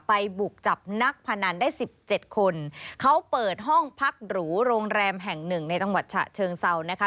บุกจับนักพนันได้สิบเจ็ดคนเขาเปิดห้องพักหรูโรงแรมแห่งหนึ่งในจังหวัดฉะเชิงเซานะคะ